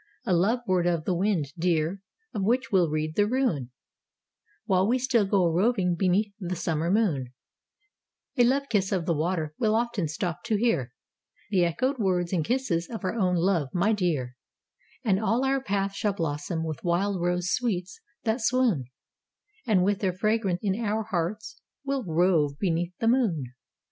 A love word of the wind, dear, of which we'll read the rune, While we still go a roving beneath the summer moon: A love kiss of the water we'll often stop to hear The echoed words and kisses of our own love, my dear: And all our path shall blossom with wild rose sweets that swoon, And with their fragrance in our hearts we'll rove beneath the moon.